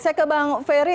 saya ke bang ferry